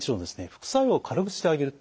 副作用を軽くしてあげる。